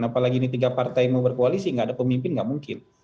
apalagi ini tiga partai mau berkoalisi nggak ada pemimpin nggak mungkin